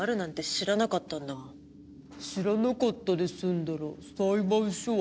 知らなかったで済んだら裁判所はいらないよ。